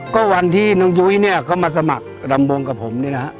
ก็วันที่น้องยุ้ยเนี่ยเขามาสมัครรำวงกับผมนี่นะฮะ